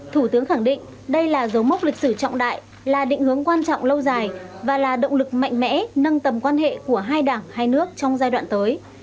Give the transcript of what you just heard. thủ tướng khẳng định đây là dấu mốc lịch sử trọng đại là định hướng quan trọng lâu dài và là động lực mạnh mẽ nâng tầm quan hệ của hai đảng hai nước trong giai đoạn tới